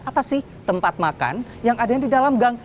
apa sih tempat makan yang ada di dalam gang